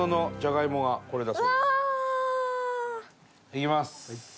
いきます。